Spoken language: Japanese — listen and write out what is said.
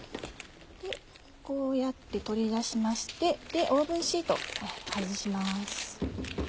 こうやって取り出しましてオーブンシート外します。